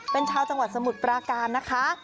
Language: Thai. เป็นชาวจังหวัดสมุทรปราการนะคะ